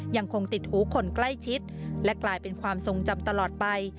ยังคงติดหูคนใกล้ชิดและกลายเป็นความทรงจำตลอดไป